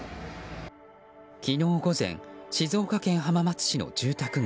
昨日午前、静岡県浜松市の住宅街。